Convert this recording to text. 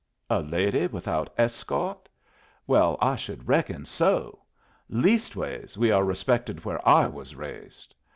A lady without escort? Well, I should reckon so! Leastways, we are respected where I was raised.